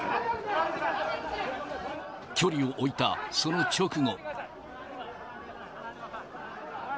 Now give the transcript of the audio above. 距離を置いたその直後。